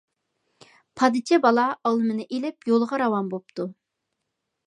پادىچى بالا ئالمىنى ئېلىپ، يولىغا راۋان بوپتۇ.